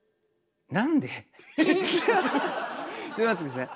ちょっと待って下さい。